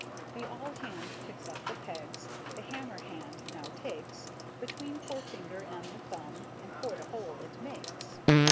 The awl hand picks up the pegs, The hammer hand now takes, Between forefinger and the thumb, And for the hole it makes.